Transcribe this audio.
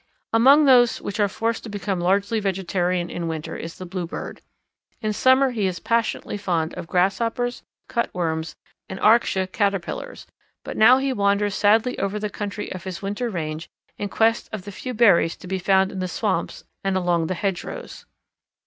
Among those which are forced to become largely vegetarian in winter is the Bluebird. In summer he is passionately fond of grasshoppers, cutworms, and Arctia caterpillars, but now he wanders sadly over the country of his winter range in quest of the few berries to be found in the swamps and along the hedgerows.